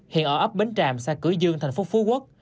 hiện ở ấp bến tràm xã cửa dương tp phú quốc